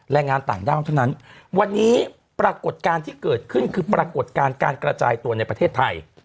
แรงงานต่างด้าวเท่านั้นวันนี้ปรากฏการณ์ที่เกิดขึ้นคือปรากฏการณ์การกระจายตัวในประเทศไทย